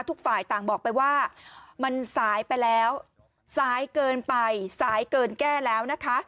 ทุกฝ่ายต่างบอกไปว่ามันสายไปแล้วสายเกินไปสายเกินแก้แล้วนะคะ